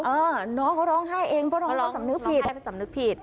เออน้องเขาร้องไห้เองเพราะร้องไปสำนึกผิด